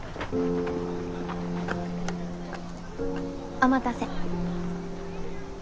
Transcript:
お待たせ。